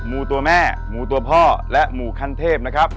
หมูตัวแม่หมูตัวพ่อและหมู่ขั้นเทพนะครับ